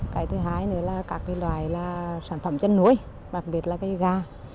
cái thứ hai nữa là các loài là sản phẩm chất núi đặc biệt là cái gà